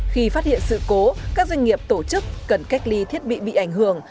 khi phát hiện sự cố các doanh nghiệp tổ chức cần cách ly thiết bị bị ảnh hưởng